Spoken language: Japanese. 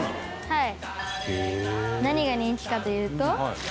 「はい。